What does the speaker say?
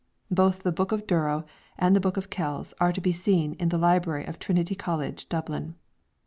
Both the "Book of Durrow" and the "Book of Kells" are to be seen in the Library of Trinity College, Dublin.